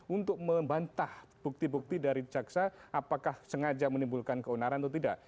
untuk membantah bukti bukti dari jaksa apakah sengaja menimbulkan keonaran atau tidak